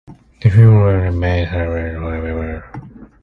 The full route remained suspended however.